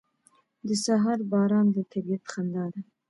• د سهار باران د طبیعت خندا ده.